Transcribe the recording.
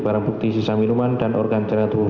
barang bukti sisa minuman dan organ jahat tubuh